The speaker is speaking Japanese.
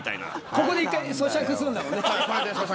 ここで１回そしゃくするんだもんね。